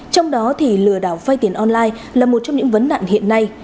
trong đó thì lừa đảo vay tiền online là một trong những vấn nạn hiện nay